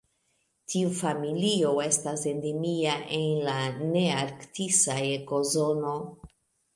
Tiu familio estas endemia en la nearktisa ekozono.